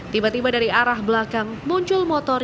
tiba tiba dari arah belakang muncul motor